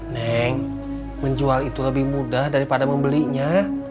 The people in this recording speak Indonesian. neng menjual itu lebih mudah daripada membelinya